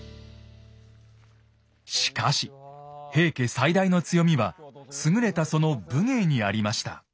しかし平家最大の強みは優れたその武芸にありました。